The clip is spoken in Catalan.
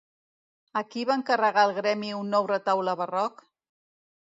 A qui va encarregar el gremi un nou retaule barroc?